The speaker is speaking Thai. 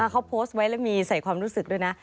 เขาโพสต์ไว้แล้วมีใส่ความรู้สึกด้วยนะ